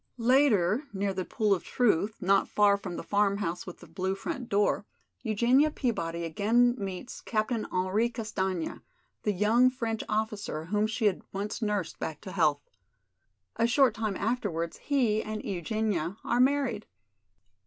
Later, near "the pool of truth" not far from the "Farmhouse with the Blue Front Door," Eugenia Peabody again meets Captain Henri Castaigne, the young French officer whom she had once nursed back to health. A short time afterwards he and Eugenia are married.